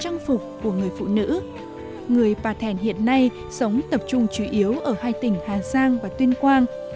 người bà thèn hiện nay sống tập trung chủ yếu ở hai tỉnh hà giang và tuyên quang